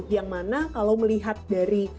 yang mana kalau melihat dari